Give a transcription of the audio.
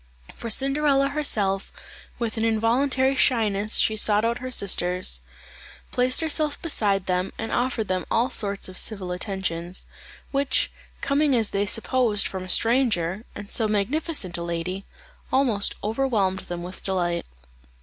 For Cinderella herself, with an involuntary shyness she sought out her sisters; placed herself beside them and offered them all sorts of civil attentions, which, coming as they supposed from a stranger, and so magnificent a lady, almost overwhelmed them with delight.